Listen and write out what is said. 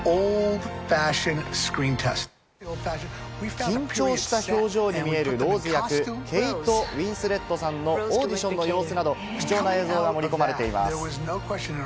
緊張した表情に見えるローズ役、ケイト・ウィンスレットさんのオーディションの様子など、貴重な映像が盛り込まれています。